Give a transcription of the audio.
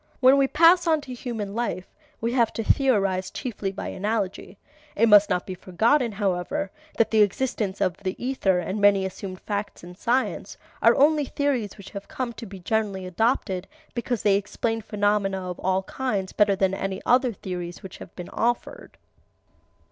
When we pass on to human life, we have to theorize chiefly by analogy. (It must not be forgotten, however, that the existence of the ether and many assumed facts in science are only theories which have come to be generally adopted because they explain phenomena of all kinds better than any other theories which have been offered.)